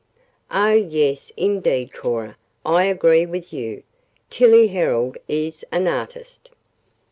Oh, yes, indeed, Cora, I agree with you, Tillie Herold is an artist."